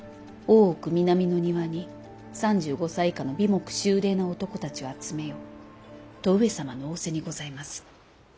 奥南の庭に３５歳以下の眉目秀麗な男たちを集めよと上様の仰せにございます。